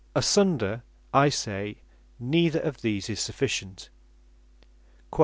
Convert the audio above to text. Asunder (I say) neither of these is sufficient. (Deut.